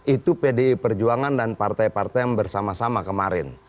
itu pdi perjuangan dan partai partai yang bersama sama kemarin